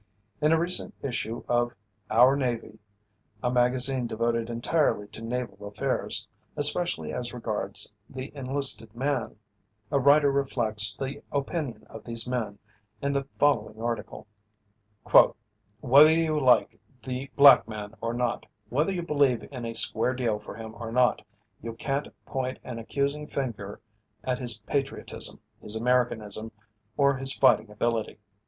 In a recent issue of "Our Navy" a magazine devoted entirely to naval affairs, especially as regards the enlisted man, a writer reflects the opinion of these men in the following article: "Whether you like the black man or not, whether you believe in a square deal for him or not, you can't point an accusing finger at his patriotism, his Americanism or his fighting ability.